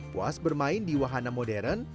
puas bermain di wahana modern